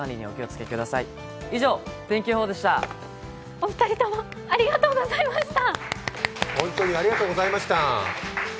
お二人ともありがとうございました。